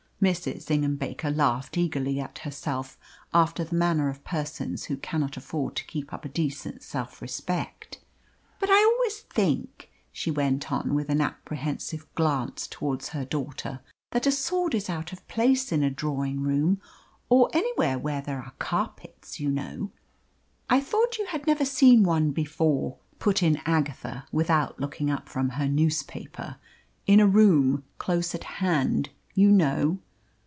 Mrs. Ingham Baker laughed eagerly at herself, after the manner of persons who cannot afford to keep up a decent self respect. "But I always rather think," she went on, with an apprehensive glance towards her daughter, "that a sword is out of place in a drawing room, or or anywhere where there are carpets, you know." "I thought you had never seen one before," put in Agatha, without looking up from her newspaper. "In a room close at hand, you know."